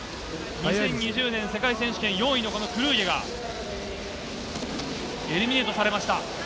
２０２０年世界選手権のクルーゲがエリミネイトされました。